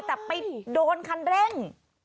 แต่ไปโดนคันเร่ง